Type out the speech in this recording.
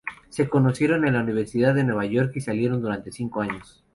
Se conocieron en la Universidad de Nueva York y salieron durante cinco años.